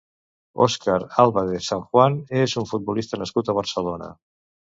Óscar Álvarez Sanjuán és un futbolista nascut a Barcelona.